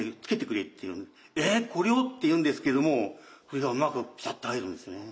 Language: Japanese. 「ええこれを？」って言うんですけどもそれがうまくピタッと入るんですね。